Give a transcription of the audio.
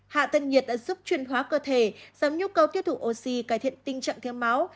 hạ tân nhiệt đã giúp chuyên hóa cơ thể giảm nhu cầu tiết thủ oxy cải thiện tình trạng thiếp máu